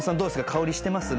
香りしてます？